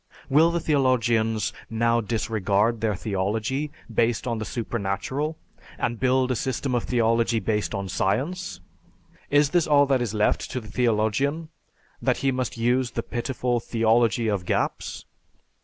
_ Will the theologians now discard their theology based on the supernatural, and build a system of theology based on science? Is this all that is left to the theologian: that he must use the pitiful "Theology of Gaps"?